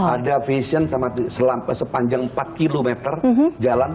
ada fashion sepanjang empat km jalan